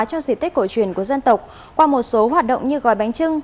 trong dịp tết cổ truyền của dân tộc qua một số hoạt động như gói bánh trưng